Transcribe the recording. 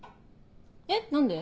えっ何で？